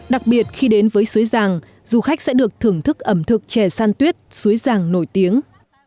đặc biệt khi đến với suối giang du khách sẽ được thưởng thức ẩm thực chè san tuyết suối giang nổi tiếng